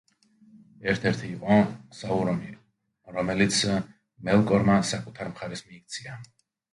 ერთ-ერთი იყო საურონი, რომელიც მელკორმა საკუთარ მხარეს მიიქცია.